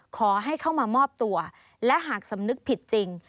ขอให้เข้ามามอบตัวและหากสำนึกผิดจริง